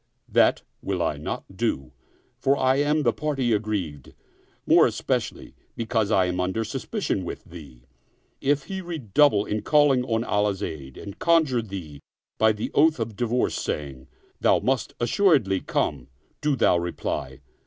That will I not do, for I am the party aggrieved, more especially because I am under suspicion with thee. If he redouble in calling on Allah's aid and conjure thee by the oath of divorce saying, Thou must assuredly come, do thou reply.